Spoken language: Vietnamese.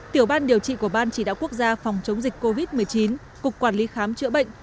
tiểu ban điều trị của ban chỉ đạo quốc gia phòng chống dịch covid một mươi chín cục quản lý khám chữa bệnh